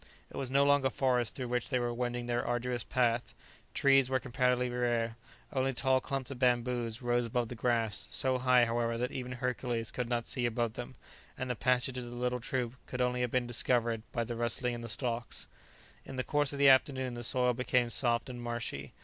It was no longer forest through which they were wending their arduous path; trees were comparatively rare; only tall clumps of bamboos rose above the grass, so high, however, that even Hercules could not see above them, and the passage of the little troop could only have been discovered by the rustling in the stalks. In the course of the afternoon, the soil became soft and marshy.